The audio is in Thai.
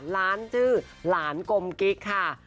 ร้านชื่อหลานกมกิกนะครับ